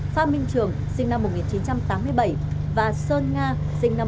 pham minh trường sinh năm một nghìn chín trăm tám mươi bảy và sơn nga sinh năm một nghìn chín trăm chín mươi một